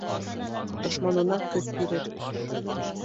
Дошманына көс бирер.